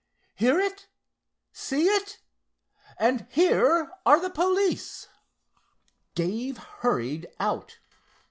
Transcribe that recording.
"Hear it? See it? And here are the police!" Dave hurried out.